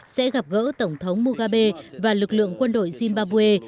sẽ gặp gỡ tổng thống mohabe và lực lượng quân đội zimbabwe